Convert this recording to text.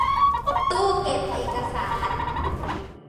ตู้เก็บเอกสาร